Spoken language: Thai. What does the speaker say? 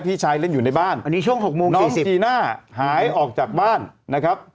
พี่ชายเล่นอยู่ในบ้านน้องจีน่าหายออกจากบ้านนะครับ